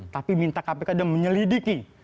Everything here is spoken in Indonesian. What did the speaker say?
tapi minta kpk dan menyelidiki